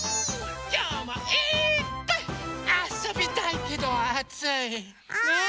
きょうもいっぱいあそびたいけどあつい。